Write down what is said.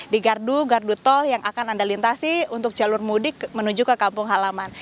di gardu gardu tol yang akan anda lintasi untuk jalur mudik menuju ke kampung halaman